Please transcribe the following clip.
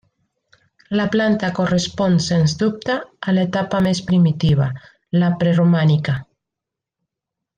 La planta correspon sens dubte a l'etapa més primitiva, la preromànica.